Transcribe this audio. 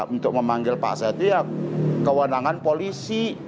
untuk memanggil pak setia kewenangan polisi